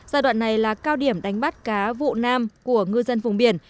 giai đoạn này là cao điểm đánh bắt cá vụ nam của ngư dân vùng biển